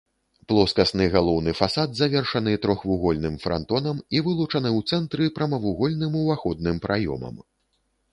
Плоскасны галоўны фасад завершаны трохвугольным франтонам і вылучаны ў цэнтры прамавугольным уваходным праёмам.